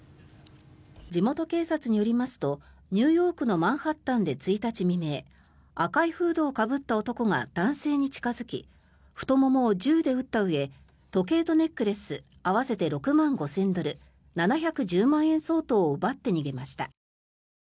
地元警察によりますとニューヨークのマンハッタンで１日未明赤いフードをかぶった男が男性に近付き太ももを銃で撃ったうえ時計とネックレス合わせて６万５０００ドル７１０万円相当を奪って逃げました。